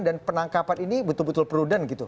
dan penangkapan ini betul betul prudent gitu